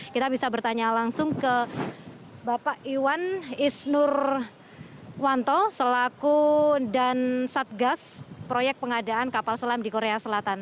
kita bisa bertanya langsung ke bapak iwan isnur wanto selaku dan satgas proyek pengadaan kapal selam di korea selatan